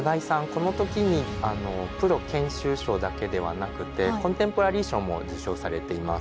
この時にプロ研修賞だけではなくてコンテンポラリー賞も受賞されています。